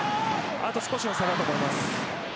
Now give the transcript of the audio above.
あと少しの差だと思います。